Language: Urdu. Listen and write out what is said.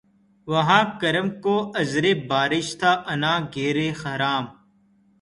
واں کرم کو عذرِ بارش تھا عناں گیرِ خرام